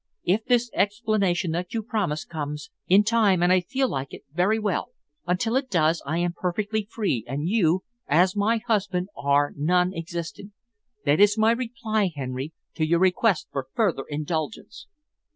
If this explanation that you promise comes in time, and I feel like it, very well. Until it does, I am perfectly free, and you, as my husband, are non existent. That is my reply, Henry, to your request for further indulgence."